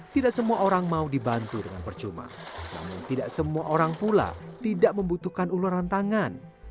tidak semua orang mau dibantu dengan percuma namun tidak semua orang pula tidak membutuhkan uluran tangan